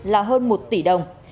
là hơn một tỷ đồng